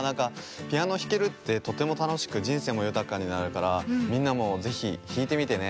ピアノひけるってとてもたのしくじんせいもゆたかになるからみんなもぜひひいてみてね。